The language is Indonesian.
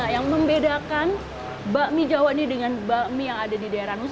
yang membedakan bakmi jawa ini dengan bakmi yang ada di daerah nusanta